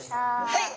はい！